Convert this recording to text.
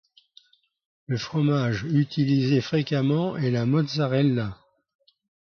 Le fromage utilisé fréquemment est la mozzarella.